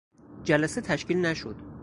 جلسه تشکیل نشد.